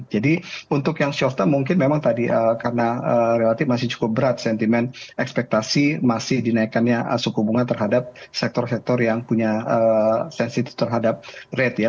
jadi untuk yang short term mungkin memang tadi karena relatif masih cukup berat sentimen ekspektasi masih dinaikkan suku bunga terhadap sektor sektor yang punya sensitif terhadap rate ya